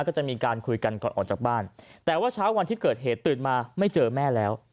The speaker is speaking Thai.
ก็จะมีการคุยกันก่อนออกจากบ้านแต่ว่าเช้าวันที่เกิดเหตุตื่นมาไม่เจอแม่แล้ว